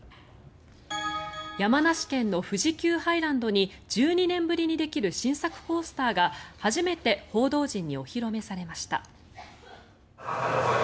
山梨県の富士急ハイランドに１２年ぶりにできる新作コースターが初めて報道陣にお披露目されました。